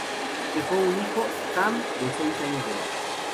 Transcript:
Dejó un hijo, Tam, de seis años de edad.